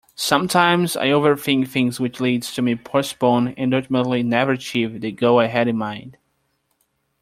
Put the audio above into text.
Sometimes I overthink things which leads me to postpone and ultimately never achieve the goal I had in mind.